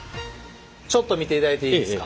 ちょっと見ていただいていいですか？